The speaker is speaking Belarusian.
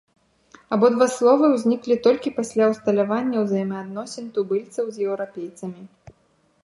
Абодва словы ўзніклі толькі пасля ўсталявання ўзаемаадносін тубыльцаў з еўрапейцамі.